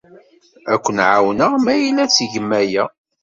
Ad ken-ɛawneɣ ma yella ad tgem aya.